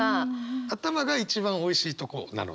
頭が一番おいしいとこなのね？